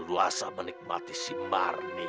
luasa menikmati si marni